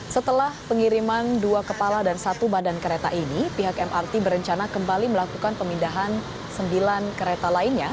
setelah pengiriman dua kepala dan satu badan kereta ini pihak mrt berencana kembali melakukan pemindahan sembilan kereta lainnya